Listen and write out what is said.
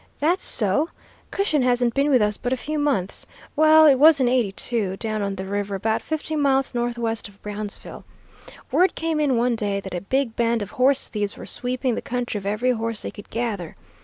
That's so, Cushion hasn't been with us but a few months. Well, it was in '82, down on the river, about fifty miles northwest of Brownsville. Word came in one day that a big band of horse thieves were sweeping the country of every horse they could gather.